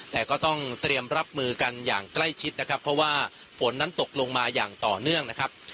แต่ก็ต้องเตรียมรับมือกันอย่างใกล้ชิดนะครับเพราะว่าฝนนั้นตกลงมาอย่างต่อเนื่องนะครับ